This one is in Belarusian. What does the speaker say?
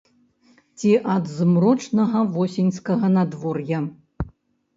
Ці ад змрочнага восеньскага надвор'я.